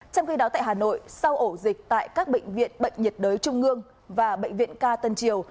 trong khi đó tại hà nội sau ổ dịch tại các bệnh viện bệnh nhiệt đới trung ương và bệnh viện ca tân triều